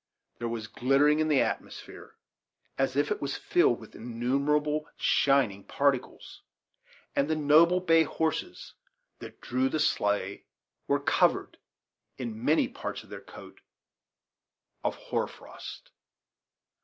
There was glittering in the atmosphere, as if it was filled with innumerable shining particles; and the noble bay horses that drew the sleigh were covered, in many parts with a coat of hoar frost.